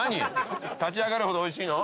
立ち上がるほどおいしいね。